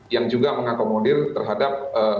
yang juga mengakomodir terhadap